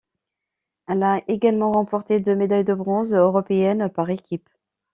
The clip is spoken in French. Elle a également remporté deux médailles de bronze européennes par équipes.